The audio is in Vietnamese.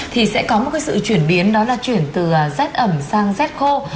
thì sẽ có một cái sự chuyển biến đó là chuyển từ z ẩm sang z khô